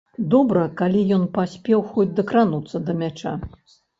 Добра калі ён паспеў хоць дакрануцца да мяча.